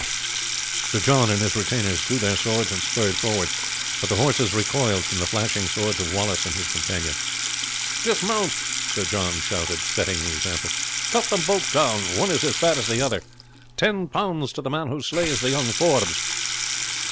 Sir John and his retainers drew their swords and spurred forward; but the horses recoiled from the flashing swords of Wallace and his companion. "Dismount," Sir John shouted, setting the example; "cut them both down; one is as bad as the other. Ten pounds to the man who slays the young Forbes."